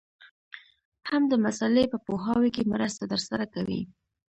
هم د مسألې په پوهاوي کي مرسته درسره کوي.